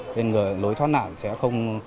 nên lối thoát nạn sẽ không